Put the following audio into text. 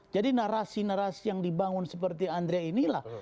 jadi narasi narasi yang dibangun seperti andrea inilah